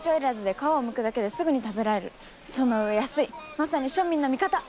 まさに庶民の味方！